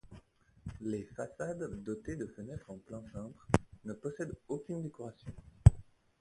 Les façades, dotées de fenêtres en plein cintre, ne possèdent aucune décoration.